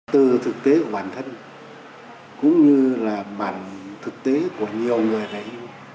từ thực tế của bản thân cũng như là bản thực tế của nhiều người thầy